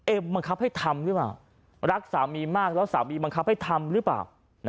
บังคับให้ทำหรือเปล่ารักสามีมากแล้วสามีบังคับให้ทำหรือเปล่า